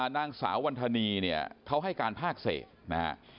นางสาววรรษณีย์เนี่ยเขาให้การภาคเศษนะครับ